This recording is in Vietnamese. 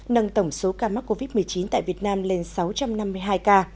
nâng tổng số ca mắc covid một mươi chín tại việt nam lên sáu trăm năm mươi hai ca